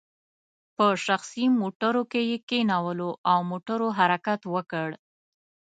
په شخصي موټرو کې یې کینولو او موټرو حرکت وکړ.